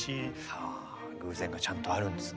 はあ偶然がちゃんとあるんですね。